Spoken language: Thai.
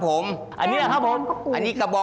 โอ้โฮ